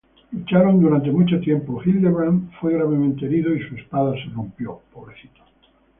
Lucharon durante mucho tiempo, Hildebrand fue gravemente herido y su espada se rompió.